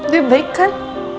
dia baik kan